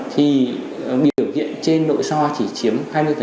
thì biểu hiện trên nội so chỉ chiếm hai mươi